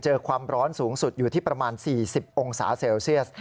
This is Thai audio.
ความร้อนสูงสุดอยู่ที่ประมาณ๔๐องศาเซลเซียส